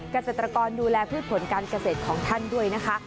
เกษตรกรดูแลพืชผลการเกษตรของท่านด้วยนะคะ